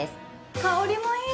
香りもいい！